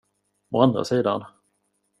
Å andra sidan.